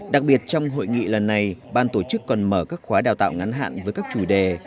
đặc biệt trong hội nghị lần này ban tổ chức còn mở các khóa đào tạo ngắn hạn với các chủ đề